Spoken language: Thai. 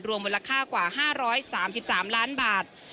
มูลค่ากว่า๕๓๓ล้านบาท